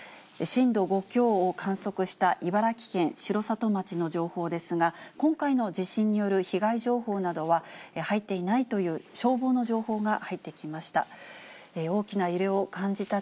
震度５強を観測した茨城県城里町の情報ですが、今回の地震による被害情報などは入っていないという、消防の情報が入ってきました。